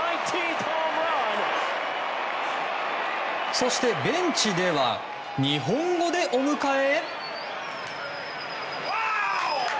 そしてベンチでは日本語でお迎え！